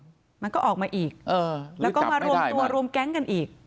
ใจออกมาอีกตัวโรงแก๊งกันอีก